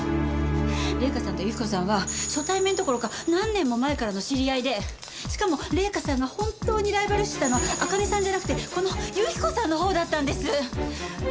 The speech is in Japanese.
玲香さんと由紀子さんは初対面どころか何年も前からの知り合いでしかも玲香さんが本当にライバル視してたのはあかねさんじゃなくてこの由紀子さんのほうだったんです！